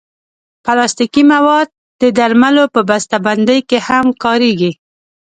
پلاستيکي مواد د درملو په بستهبندۍ کې هم کارېږي.